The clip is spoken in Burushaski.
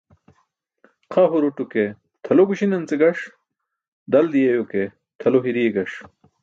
Xa huruto ke tʰalo guśiṇance gaṣ, dal diyeyo ke tʰalo hiriye gaṣ.